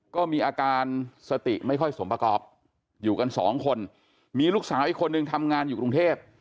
ก็มีอาการสติไม่ค่อยสมประกอบอยู่กันสองคนมีลูกสาวอีกคนนึงทำงานอยู่กรุงเทพ